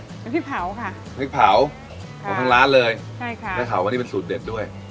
พี่เผาค่ะพี่เผาของทั้งร้านเลยใช่ค่ะแล้วเขาว่านี่เป็นสูตรเด็ดด้วย